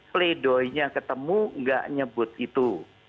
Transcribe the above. pleidoy nya ketemu gak nyebut itu